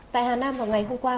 tại hà nam vào ngày hôm qua